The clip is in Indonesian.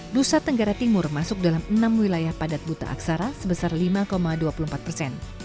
nusa tenggara timur masuk dalam enam wilayah padat buta aksara sebesar lima dua puluh empat persen